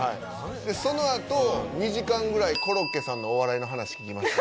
そのあと２時間ぐらいコロッケさんのお笑いの話聞きました。